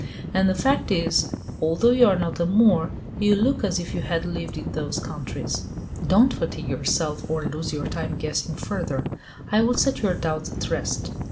And the fact is, although you are not a Moor, you look as if you had lived in those countries." "Don't fatigue yourself, or lose your time guessing further. I will set your doubts at rest.